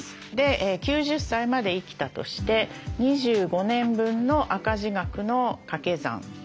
９０歳まで生きたとして２５年分の赤字額のかけ算。